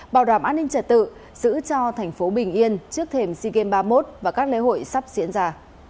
bảo đảm an ninh trật tự giữ cho thành phố bình yên trước thềm sea games ba mươi một và các lễ hội sắp diễn ra